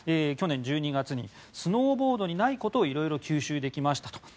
去年１２月にスノーボードにないことをいろいろ吸収できましたと。